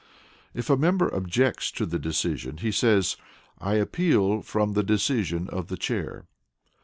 If a member objects to the decision, he says, "I appeal from the decision of the Chair."